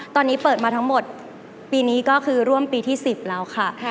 ตอนนี้เปิดมาทั้งหมดปีนี้ก็คือร่วมปีที่๑๐แล้วค่ะ